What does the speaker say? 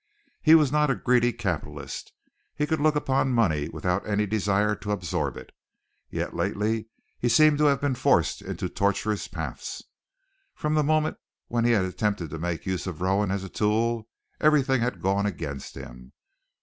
He was not a greedy capitalist. He could look upon money without any desire to absorb it. Yet lately he seemed to have been forced into tortuous paths. From the moment when he had attempted to make use of Rowan as a tool, everything had gone against him.